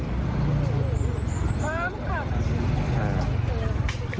พร้อมครับ